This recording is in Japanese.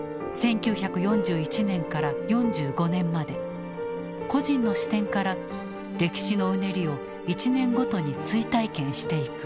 １９４１年から４５年まで個人の視点から歴史のうねりを１年ごとに追体験していく。